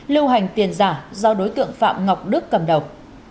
lưu hành tiền giả do đối tượng phạm ngọc đức cầm đầu